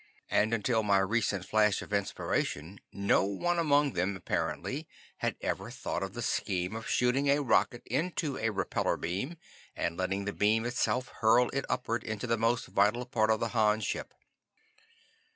And until my recent flash of inspiration, no one among them, apparently, had ever thought of the scheme of shooting a rocket into a repellor beam and letting the beam itself hurl it upward into the most vital part of the Han ship.